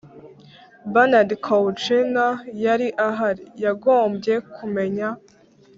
bernard kouchner yari ahari! yagombye kumenya